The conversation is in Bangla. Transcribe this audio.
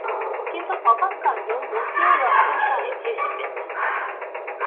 কিন্তু অবাক কাণ্ড, মতিয়ুর রহমান সাহেব হেসে ফেললেন।